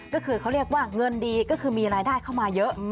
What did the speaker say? ก็คือเขาเรียกว่าเงินดีก็คือมีรายได้เข้ามาเยอะ